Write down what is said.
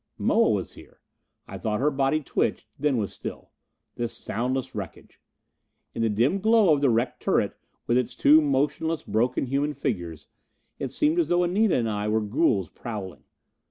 Moa was here. I thought her body twitched; then was still. This soundless wreckage! In the dim glow of the wrecked turret with its two motionless, broken human figures, it seemed as though Anita and I were ghouls prowling.